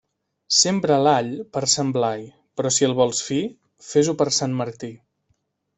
Sembra l'all per Sant Blai, però si el vols fi, fes-ho per Sant Martí.